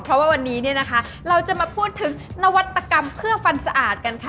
เพราะว่าวันนี้เราจะมาพูดถึงนวัตกรรมเพื่อฟันสะอาด